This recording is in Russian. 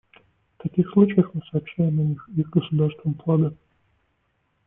В таких случаях мы сообщаем о них их государствам флага.